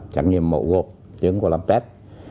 trận nghiệm mậu gột chứng của lâm tét